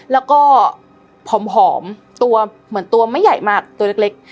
แล้วก็ผอมตัวเหมือนตัวไม่ใหญ่มากตัวเล็ก